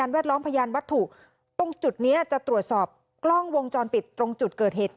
แวดล้อมพยานวัตถุตรงจุดนี้จะตรวจสอบกล้องวงจรปิดตรงจุดเกิดเหตุ